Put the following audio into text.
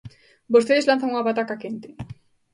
Vostedes lanzan unha pataca quente.